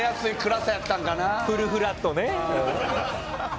フルフラットね。